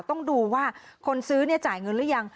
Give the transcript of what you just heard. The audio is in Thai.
ต้องดูว่าคนซื้อจ่ายเงินหรือยัง